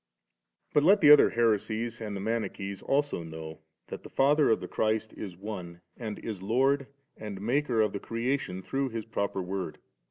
41. But let the other heresies and the Mani chees also know that the Father of the Christ is One, and is Lord and M^ker of the creation through His proper Word.